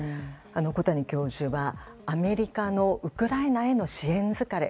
小谷教授は、アメリカのウクライナへの支援疲れ。